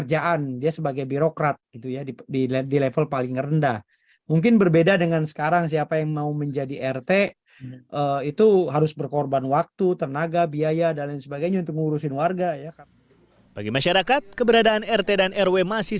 jepang jawa tengah